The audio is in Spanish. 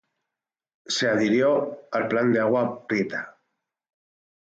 Se adhirió al Plan de Agua Prieta.